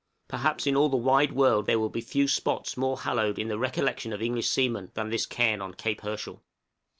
Perhaps in all the wide world there will be few spots more hallowed in the recollection of English seamen than this cairn on Cape Herschel.